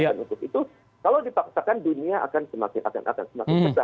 dan untuk itu kalau dipaksakan dunia akan semakin akan semakin sesah